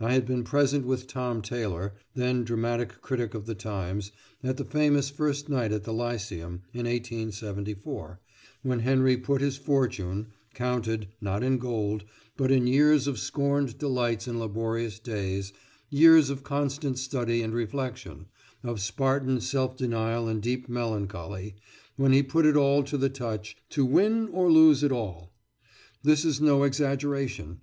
I had been present with Tom Taylor, then dramatic critic of the Times, at the famous first night at the Lyceum, in 1874, when Henry put his fortune counted, not in gold, but in years of scorned delights and laborious days, years of constant study and reflection, of Spartan self denial and deep melancholy when he put it all to the touch "to win or lose it all." This is no exaggeration.